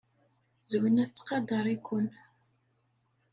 Zwina tettqadar-iken.